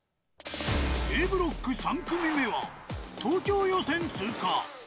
Ａブロック３組目は東京予選通過。